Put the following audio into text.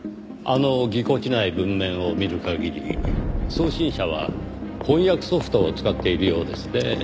あのぎこちない文面を見る限り送信者は翻訳ソフトを使っているようですねぇ。